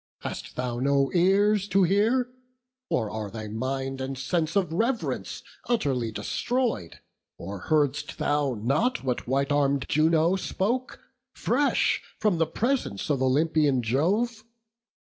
Hast thou no ears to hear! or are thy mind And sense of rev'rence utterly destroyed? Or heard'st thou not what white arm'd Juno spoke, Fresh from the presence of Olympian Jove?